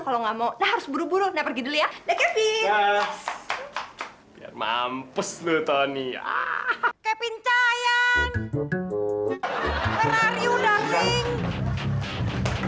kalau nggak mau harus buru buru pergi dulu ya kevin mampus lu tony ah kevin sayang